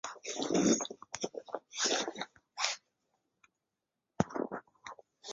伯克在旗舰奥斯本上统帅全队。